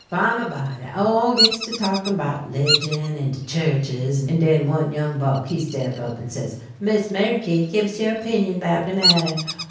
Bimeby dey all gits to talkin' 'bout 'ligion and de churches, and den one young buck he step up, an' says he: "Miss Meriky, give us your 'pinion 'bout de matter."